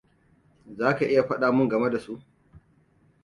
Za ka iya faɗa min game da su?